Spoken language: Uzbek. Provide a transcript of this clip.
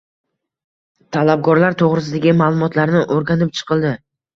talabgorlar to‘g‘risidagi ma’lumotlarni o‘rganib chiqildi.